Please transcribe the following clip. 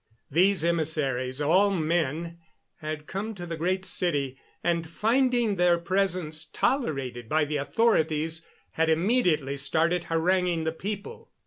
These emissaries all men had come to the Great City, and, finding their presence tolerated by the authorities, had immediately started haranguing the people.